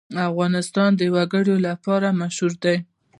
افغانستان د وګړي لپاره مشهور دی.